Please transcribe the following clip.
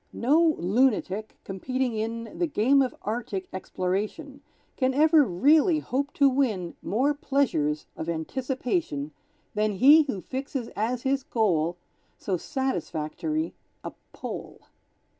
No lunatic, competing in The game of Arctic exploration, Can ever really hope to win More pleasures of anticipation Than he who fixes as his goal So satisfactory a Pole.